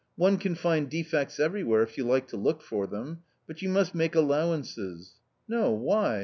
One can find defects everywhere if you like to look for them. But you must make allow ances." " No, why